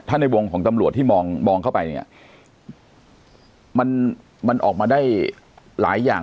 ถ้าในวงของตำรวจที่มองมองเข้าไปเนี่ยมันมันออกมาได้หลายอย่าง